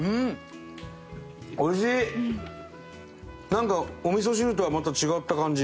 なんかお味噌汁とはまた違った感じ。